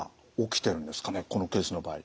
このケースの場合。